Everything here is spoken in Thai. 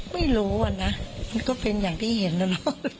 ไม่รู้อะนะมันก็เป็นอย่างที่เห็นนะเนอะ